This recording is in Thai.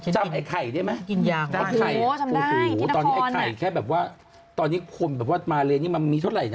ช้ำอัยไข่ใช่ไหมอัยไข่โห